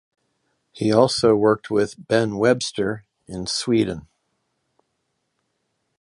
He also worked with Ben Webster in Sweden.